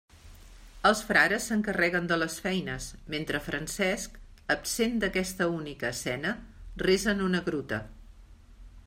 Els frares s'encarreguen de les feines mentre Francesc, absent d'aquesta única escena, resa en una gruta.